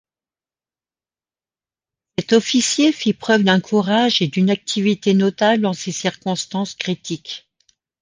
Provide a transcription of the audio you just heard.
Cet officier fit preuve d'un courage et d'une activités notables en ces circonstances critiques.